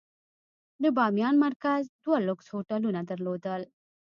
د بامیان مرکز دوه لوکس هوټلونه درلودل.